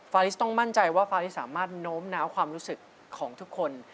ลิสต้องมั่นใจว่าฟาริสสามารถโน้มน้าวความรู้สึกของทุกคน